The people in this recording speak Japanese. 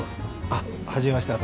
あっ。